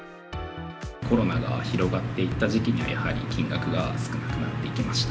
コロナが広がっていった時期にはやはり金額が少なくなっていきました。